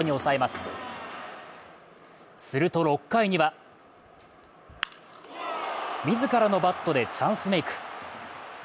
すると６回には自らのバットでチャンスメイク。